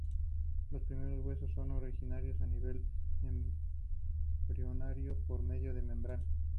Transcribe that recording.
Los primeros huesos son originados a nivel embrionario por medio de membranas.